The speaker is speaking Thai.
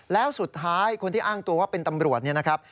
แล้วสุดท้ายคนที่อ้างตัวว่าเป็นตำรวจเนี่ยนะครับ